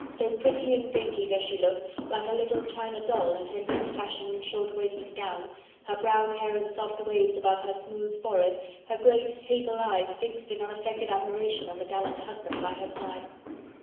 so pretty and dainty does she look, like a little china doll, in her new fashioned short waisted gown: her brown hair in soft waves above her smooth forehead, her great, hazel eyes fixed in unaffected admiration on the gallant husband by her side.